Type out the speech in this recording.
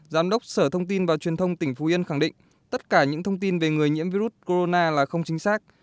giám đốc sở thông tin và truyền thông tỉnh phú yên khẳng định tất cả những thông tin về người nhiễm virus corona là không chính xác